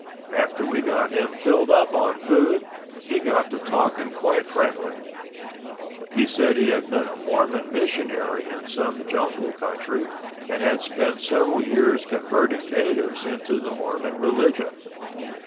After we got him filled up on food he got to talking quite friendly. He said he had been a Mormon missionary in some jungle country and had spent several years converting natives into the Mormon religion.